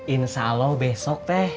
insya allah besok teh